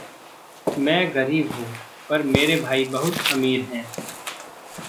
मैं ग़रीब हूँ, पर मेरे भाई बहुत अमीर हैं।